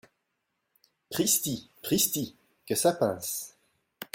Pristi ! pristi !… que ça pince !